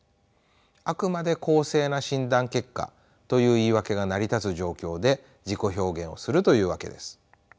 あくまで公正な診断結果という言い訳が成り立つ状況で自己表現をするというわけです。